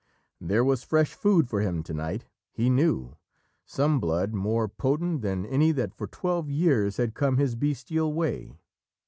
There was fresh food for him to night, he knew, some blood more potent than any that for twelve years had come his bestial way.